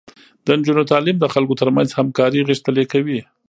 د نجونو تعليم د خلکو ترمنځ همکاري غښتلې کوي.